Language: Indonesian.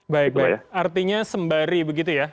baik baik artinya sembari begitu ya